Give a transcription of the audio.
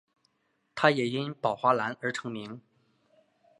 他也因宝华蓝而成名。